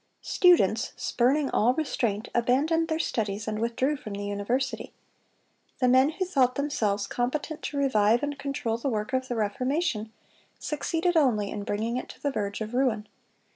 Students, spurning all restraint, abandoned their studies, and withdrew from the university. The men who thought themselves competent to revive and control the work of the Reformation, succeeded only in bringing it to the verge of ruin.